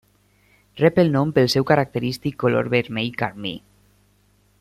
Rep el nom pel seu característic color vermell carmí.